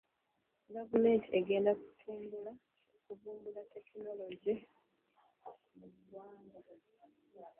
Gavumenti egenda kutumbula tekinologiya mu ggwanga.